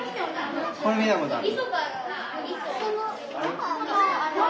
これ見たことある？